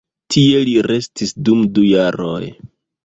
Tie li restis dum du jaroj.